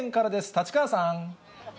立川さん。